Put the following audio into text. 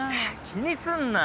気にすんな。